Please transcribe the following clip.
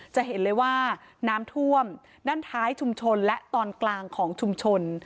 จะเห็นเลยว่าน้ำท่วมด้านท้ายชุมชนและตอนกลางของชุมชน